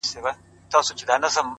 • ور په یاد یې د دوږخ کړل عذابونه,